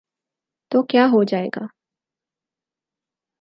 تو کیا ہوجائے گا۔